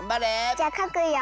じゃかくよ。